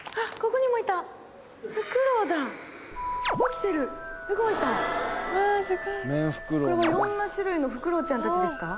これは色んな種類のフクロウちゃんたちですか？